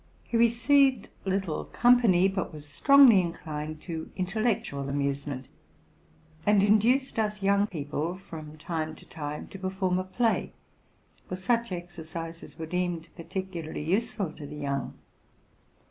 He received little company, but was strongly inclined to intel lectual amusement, and induced us young people from time to time to perform a play; for such exercises were deemed particularly useful to the young.